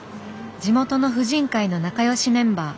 地元の婦人会の仲良しメンバー。